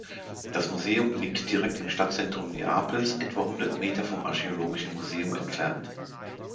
Das Museum liegt direkt im Stadtzentrum Neapels, etwa hundert Meter vom Archäologischen Museum entfernt.